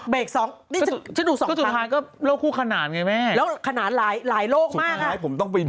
ไม่ได้เกี่ยวเลย